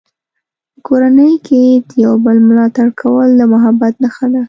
په کورنۍ کې د یو بل ملاتړ کول د محبت نښه ده.